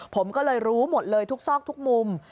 ผมก็เลยรู้หมดเลยทุกซอกทุกมุม